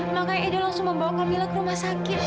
makanya edu langsung membawa kamila ke rumah sakit